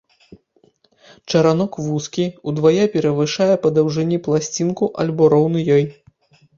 Чаранок вузкі, удвая перавышае па даўжыні пласцінку або роўны ёй.